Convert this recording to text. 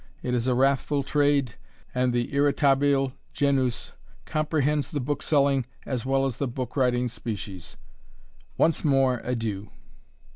It is a wrathful trade, and the irritabile genus comprehends the bookselling as well as the book writing species. Once more adieu!